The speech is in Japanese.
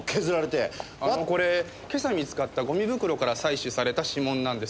あのこれ今朝見つかったゴミ袋から採取された指紋なんですが。